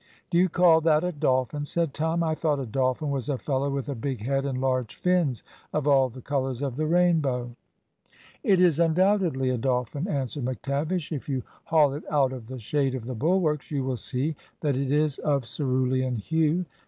"Do you call that a dolphin?" said Tom. "I thought a dolphin was a fellow with a big head and large fins, of all the colours of the rainbow." "It is undoubtedly a dolphin," answered McTavish. "If you haul it out of the shade of the bulwarks, you will see that it is of cerulean hue.